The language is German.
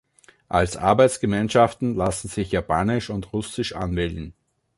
Als Arbeitsgemeinschaften lassen sich Japanisch und Russisch anwählen.